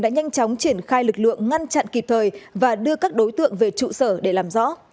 đã nhanh chóng triển khai lực lượng ngăn chặn kịp thời và đưa các đối tượng về trụ sở để làm rõ